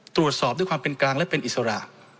ตรวจสอบด้วยความเป็นกลางและเป็นอิสระ